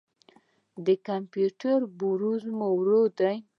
د کمپیوټر بروزر مې ورو دی.